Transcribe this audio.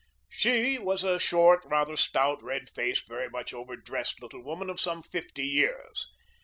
She was a short, rather stout, red faced, very much over dressed little woman of some fifty years.